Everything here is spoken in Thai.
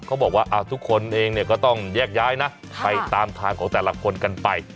เขาบอกว่าทุกคนเองเนี่ยก็ต้องแยกย้ายนะไปตามทางของแต่ละคนกันไป